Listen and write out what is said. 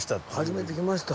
初めて来ました。